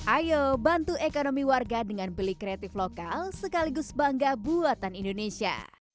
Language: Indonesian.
ayo bantu ekonomi warga dengan beli kreatif lokal sekaligus bangga buatan indonesia